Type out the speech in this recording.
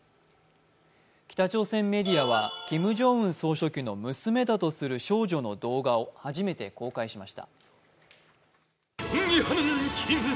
北朝鮮メディアはキム・ジョンウン総書記の娘だとされる少女の動画を初めて公開しました。